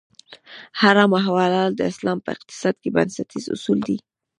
حرام او حلال د اسلام په اقتصاد کې بنسټیز اصول دي.